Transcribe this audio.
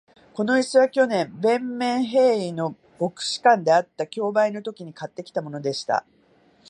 この椅子は、去年、ヴェンメンヘーイの牧師館であった競売のときに買ってきたものでした。